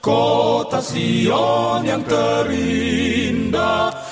kota sion yang terindah